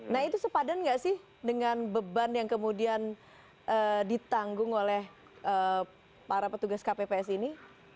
nah itu sepadan nggak sih dengan beban yang kemudian ditanggung oleh para petugas kpps ini